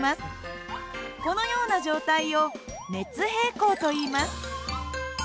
このような状態を熱平衡といいます。